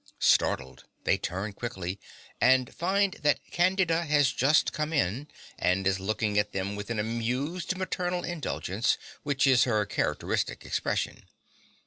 Startled, they turn quickly and find that Candida has just come in, and is looking at them with an amused maternal indulgence which is her characteristic expression.